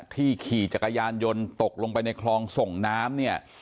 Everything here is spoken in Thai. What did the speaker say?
ที่ขี่จักรยานยนตกลงไปในคลองส่งน้ำ